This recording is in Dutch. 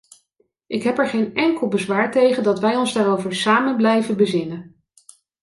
Ik heb er geen enkel bezwaar tegen dat wij ons daarover samen blijven bezinnen.